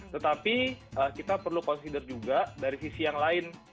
tetapi kita perlu consider juga dari sisi yang lain